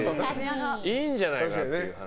いいんじゃないかって話。